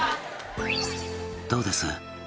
「どうです？